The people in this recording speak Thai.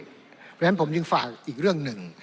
เพราะฉะนั้นผมยังฝากอีกเรื่องหนึ่ง